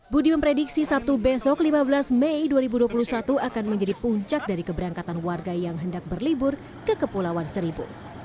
budi memprediksi sabtu besok lima belas mei dua ribu dua puluh satu akan menjadi puncak dari keberangkatan warga yang hendak berlibur ke kepulauan seribu